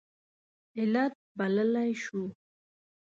علت بللی شو.